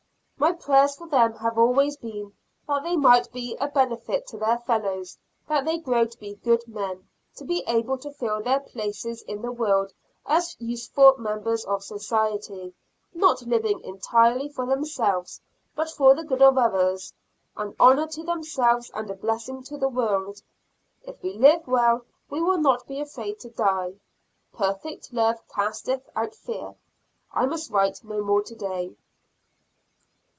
My prayers for them have always been, that they might be a benefit to their fellows; that they grow to be good men; to be able to fill their places in the world as useful members of society, not living entirely for themselves, but for the good of others, an honor to themselves and a blessing to the world. If we live well, we will not be afraid to die. "Perfect love casteth out fear." I must write no more today.